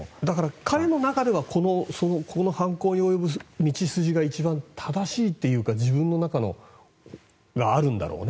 彼の中では犯行に及ぶ道筋が正しいというのが自分の中であるんだろうね。